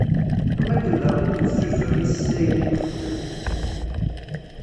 Am wakken daɣen i d-nesuzur yis-s ayen nxeddem.